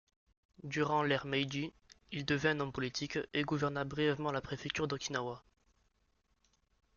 Durant l'ère Meiji, il devint un homme politique et gouverna brièvement la préfecture d'Okinawa.